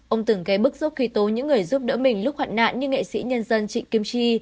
ông từng gây bức xúc khi tố những người giúp đỡ mình lúc hoạn nạn như nghệ sĩ nhân dân trịnh kim chi